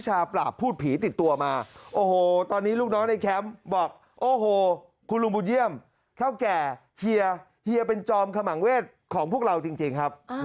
เฮียเป็นจอมขมังเวชของพวกเราจริงครับ